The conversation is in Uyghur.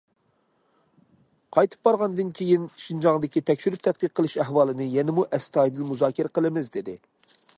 قايتىپ بارغاندىن كېيىن شىنجاڭدىكى تەكشۈرۈپ تەتقىق قىلىش ئەھۋالىنى يەنىمۇ ئەستايىدىل مۇزاكىرە قىلىمىز، دېدى.